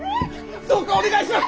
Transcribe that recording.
どうかお願いします！